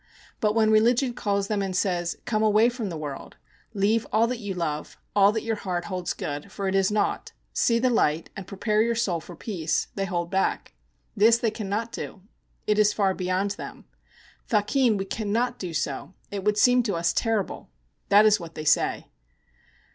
But when religion calls them and says, 'Come away from the world, leave all that you love, all that your heart holds good, for it is naught; see the light, and prepare your soul for peace,' they hold back. This they cannot do; it is far beyond them. 'Thakin, we cannot do so. It would seem to us terrible,' that is what they say.